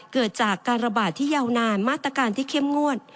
เกิดจากการระบาดที่ยาวนานมาตรการที่เข้มงวด